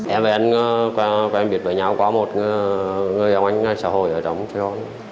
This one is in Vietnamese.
em và anh quen biết với nhau có một người ông anh xã hội ở trong trường